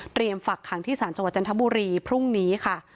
ฝักขังที่ศาลจังหวัดจันทบุรีพรุ่งนี้ค่ะ